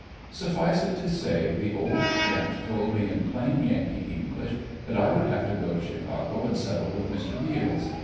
Suffice it to say, the old gent told me in plain Yankee English that I would have to go to Chicago and settle with Mr. Beals.